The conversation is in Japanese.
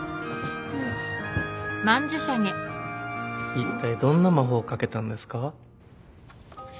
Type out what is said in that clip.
いったいどんな魔法をかけたんですか？